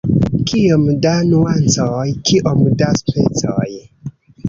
Kiom da nuancoj, kiom da specoj!